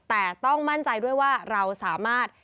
แต่ต้องมั่นใจด้วยว่าเราสามารถ